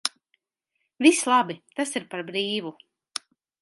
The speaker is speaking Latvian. Viss labi, tas ir par brīvu.